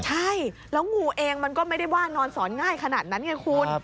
ใช่แล้วงูเองมันก็ไม่ได้ว่านอนสอนง่ายขนาดนั้นไงคุณ